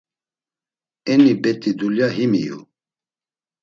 Eni bet̆i dulya him iyu.